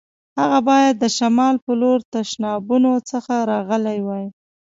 هغه باید د شمال په لور تشنابونو څخه راغلی وای.